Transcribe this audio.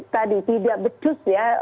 tadi tidak becus ya